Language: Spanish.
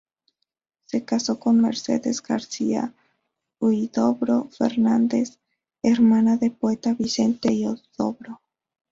Se casó con Mercedes García-Huidobro Fernández, hermana del poeta Vicente Huidobro.